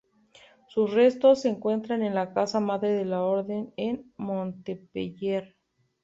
Sus restos se encuentran en la casa madre de la orden en Montpellier.